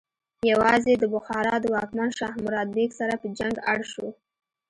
یوازې د بخارا د واکمن شاه مراد بیک سره په جنګ اړ شو.